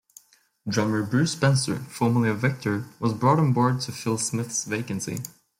Drummer Bruce Spencer, formerly of Vector, was brought on board to fill Smith's vacancy.